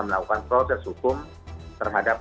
melakukan proses hukum terhadap